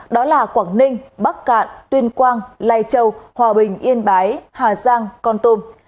đó là quảng ninh bắc cạn tuyên quang lai châu hòa bình yên bái hà giang con tum